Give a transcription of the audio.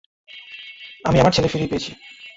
আমি আমার ছেলে ফিরে পেয়েছি।